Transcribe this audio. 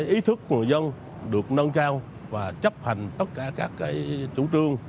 ý thức người dân được nâng cao và chấp hành tất cả các chủ trương